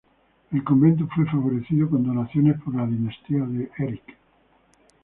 El convento fue favorecido con donaciones por la dinastía de Erik.